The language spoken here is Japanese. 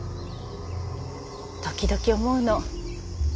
時々思うの。